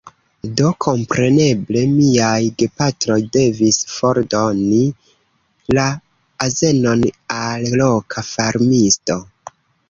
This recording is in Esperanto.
Do, kompreneble, miaj gepatroj devis fordoni la azenon al loka farmisto.